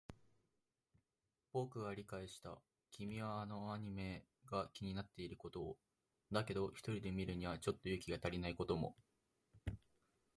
僕は理解した。君はあのアニメが気になっていることを。だけど、一人で見るにはちょっと勇気が足りないことも。